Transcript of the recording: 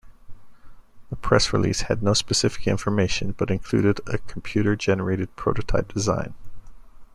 The press release had no specific information, but included a computer-generated prototype design.